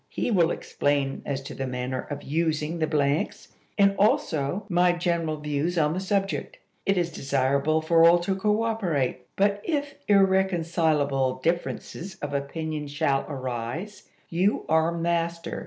He will explain as to the manner of using the blanks, and also my general views on the subject. It is desirable for all to cooperate; but if irrecon cilable differences of opinion shall arise, you are master.